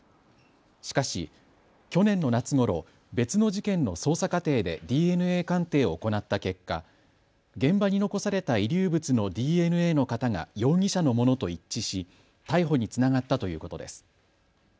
しかし、去年の夏ごろ別の事件の捜査過程でＤＮＡ鑑定を行った結果、現場に残された遺留物のＤＮＡの型が容疑者のものと一致し逮捕につながったということです。